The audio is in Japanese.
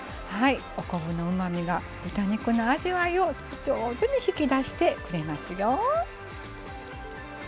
お昆布のうまみが豚肉の味わいを上手に引き出してくれますよ。